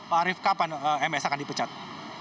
pak arief kapan ms akan dipecat